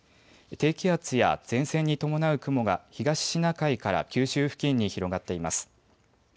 低気圧や前線に伴う雲が東シナ海から九州付近に広がっています。